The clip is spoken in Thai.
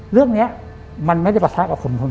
เรื่องเนี้ยมันไม่ได้ประธารกับผม